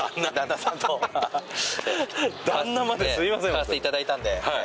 買わせていただいたんで。